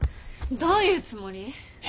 どういうつもり？